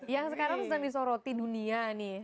yang sekarang sedang disoroti dunia nih